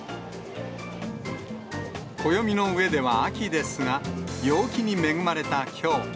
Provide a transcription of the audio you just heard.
暦の上では秋ですが、陽気に恵まれたきょう。